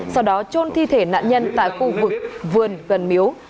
sau đó trôn thi thể nạn nhân tại khu vực vườn miếu